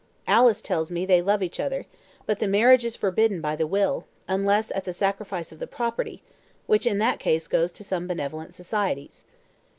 Alice tells me they love each other; but their marriage is forbidden by the will, unless at the sacrifice of the property, which in that case goes to some benevolent societies."